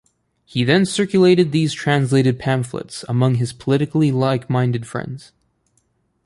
He then circulated these translated pamphlets among his politically like-minded friends.